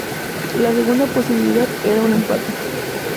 La segunda posibilidad era un empate.